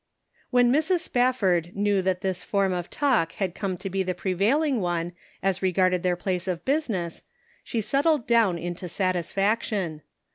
When Mrs. Spafford knew that this form of talk had come to be the prevailing one as re garded their place of business, she settled down into satisfaction.